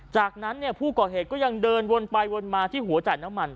จากนั้นผู้ก่อเหตุก็ยังเดินวนไปวนมาที่หัวจ่ายน้ำมัน